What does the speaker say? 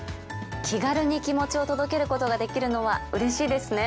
気軽に気持ちを届けることができるのはうれしいですね。